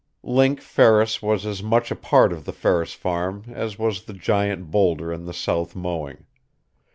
Link Ferris was as much a part of the Ferris farm as was the giant bowlder in the south mowing.